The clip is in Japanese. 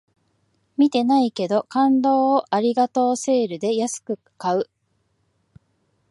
見てないけど、感動をありがとうセールで安く買う